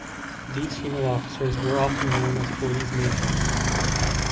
These female officers were often known as "police matrons".